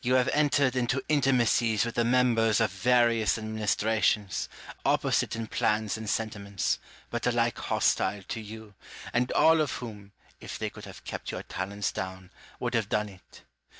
You have entered into intimacies with the members of various administrations, opposite in plans and sentiments, but alike hostile to you, and all of whom, if they could have kept your talents down, would have done it.